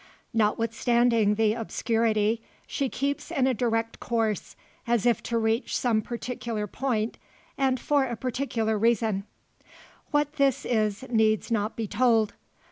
Notwithstanding the obscurity, she keeps in a direct course, as if to reach some particular point, and for a particular reason. What this is needs not be told.